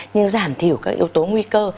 nhưng giảm thiểu các yếu tố nguy cơ